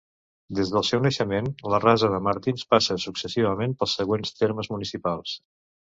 Des del seu naixement, la Rasa de Martins passa successivament pels següents termes municipals.